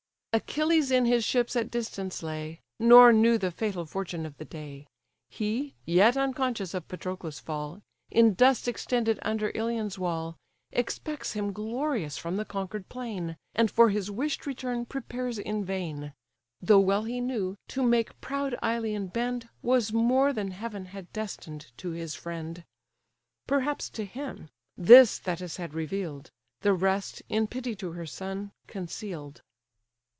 Achilles in his ships at distance lay, Nor knew the fatal fortune of the day; He, yet unconscious of Patroclus' fall, In dust extended under Ilion's wall, Expects him glorious from the conquered plain, And for his wish'd return prepares in vain; Though well he knew, to make proud Ilion bend Was more than heaven had destined to his friend. Perhaps to him: this Thetis had reveal'd; The rest, in pity to her son, conceal'd.